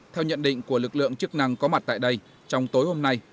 theo nhận định của lực lượng chức năng có mặt tại đây trong tối hôm nay